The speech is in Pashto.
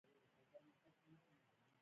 زغال د افغانستان د جغرافیایي موقیعت پایله ده.